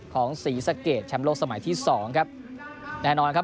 ศรีสะเกดแชมป์โลกสมัยที่สองครับแน่นอนครับ